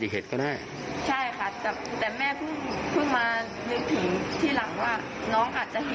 ใช่ค่ะแต่แม่เพิ่งมานึกถึงที่หลังว่าน้องอาจจะเห็น